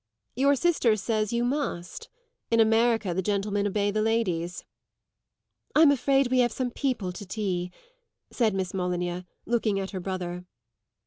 "Your sister says you must. In America the gentlemen obey the ladies." "I'm afraid we have some people to tea," said Miss Molyneux, looking at her brother.